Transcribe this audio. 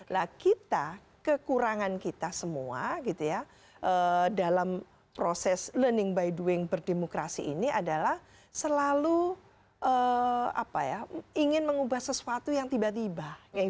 nah kita kekurangan kita semua gitu ya dalam proses learning by doing berdemokrasi ini adalah selalu ingin mengubah sesuatu yang tiba tiba